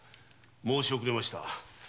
申し遅れました。